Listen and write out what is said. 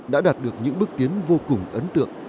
đã đạt được những bước tiến vô cùng ấn tượng